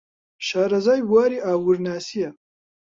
شارەزای بواری ئابوورناسییە.